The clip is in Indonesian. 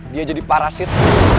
dia jadi parasit